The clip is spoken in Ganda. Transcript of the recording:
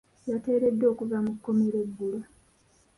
Yateereddwa okuva mu kkomera eggulo.